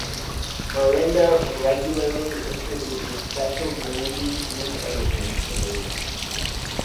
Mirinda regularly introduces special movie-themed editions in Asia.